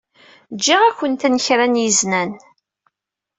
Ǧǧiɣ-akent-n kra n yiznan.